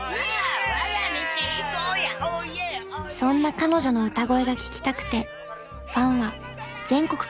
［そんな彼女の歌声が聞きたくてファンは全国からやって来ます］